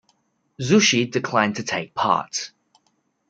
Zushi declined to take part.